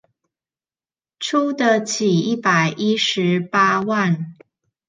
出得起一百一十八萬